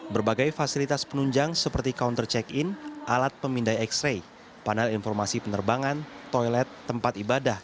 berbagai fasilitas penunjang seperti counter check in alat pemindai x ray panel informasi penerbangan toilet tempat ibadah